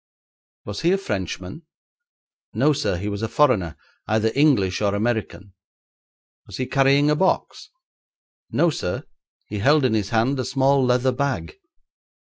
'Was he a Frenchman?' 'No, sir; he was a foreigner, either English or American.' 'Was he carrying a box?' 'No, sir; he held in his hand a small leather bag.'